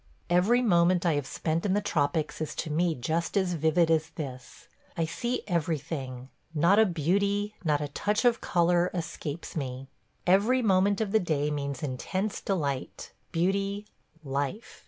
Every moment I have spent in the tropics is to me just as vivid as this. I see everything. Not a beauty, not a touch of color, escapes me. Every moment of the day means intense delight, beauty, life.